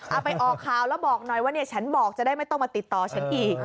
เอาไปออกข่าวแล้วบอกหน่อยว่าเนี่ยฉันบอกจะได้ไม่ต้องมาติดต่อฉันอีก